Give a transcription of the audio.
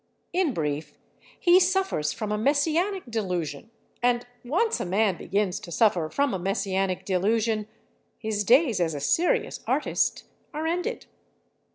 In brief, he suffers from a messianic delusion—and once a man begins to suffer from a messianic delusion his days as a serious artist are ended.